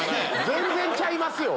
全然ちゃいますよ。